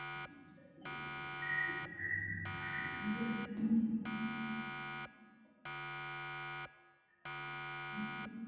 Kijiko kilichojaa kabisa siagi gram arobaini